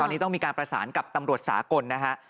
ตอนนี้ต้องมีการประสานกับตำรวจสากลนะฮะ